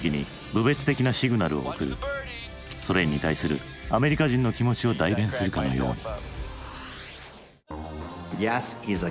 ソ連に対するアメリカ人の気持ちを代弁するかのように。